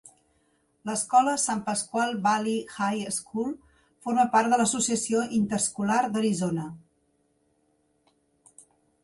L'escola San Pasqual Valley High School forma part de l'Associació Interscolar d'Arizona.